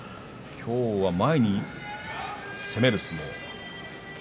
今日は前に攻める相撲。